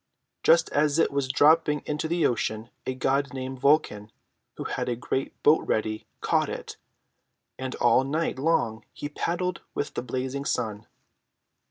Just as it was dropping into the ocean, a god named Vulcan, who had a great boat ready, caught it, and all night long he paddled with the blazing sun.